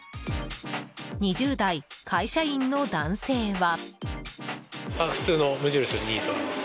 ２０代会社員の男性は。